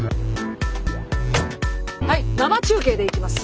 はい生中継でいきます。